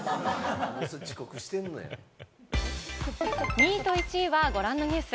２位と１位はご覧のニュース。